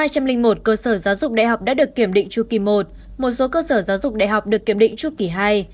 hai trăm linh một cơ sở giáo dục đại học đã được kiểm định chu kỳ một một số cơ sở giáo dục đại học được kiểm định chu kỳ hai